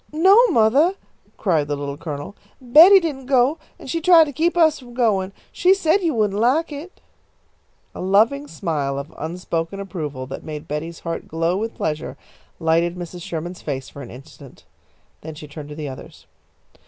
"No, mothah," cried the Little Colonel, "Betty didn't go, and she tried to keep us from goin'. She said you wouldn't like it." A loving smile of unspoken approval, that made Betty's heart glow with pleasure, lighted Mrs. Sherman's face for an instant. Then she turned to the others.